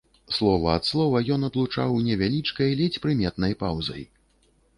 Слова ад слова ён адлучаў невялічкай, ледзь прыметнай паўзай.